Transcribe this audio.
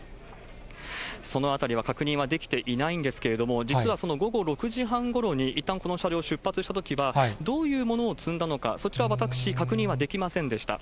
そのあたりは確認はできていないんですけれども、実は午後６時半ごろにいったん、この車両、出発したときは、どういうものを積んだのか、そちら、私、確認はできませんでした。